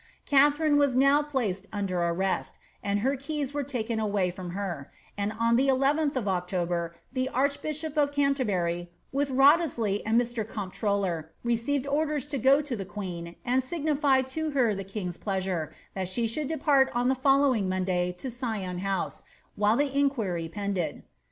Ka was now placed under arrest, and her keys were taken away froo and on the 11th of October the archbishop of Canterbury, wit othesley and Mr. comptroller, received orders to go to the que signify to her the king's pleasure, that she should depart on the : ing Monday to Sion House while the inquiry pended.